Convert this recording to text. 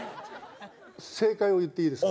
正解を言っていいですか？